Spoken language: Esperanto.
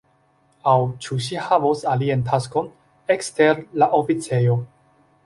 Aŭ ĉu ŝi havos alian taskon, ekster la oficejo?